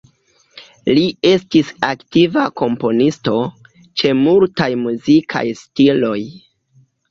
Li estis aktiva komponisto, ĉe multaj muzikaj stiloj.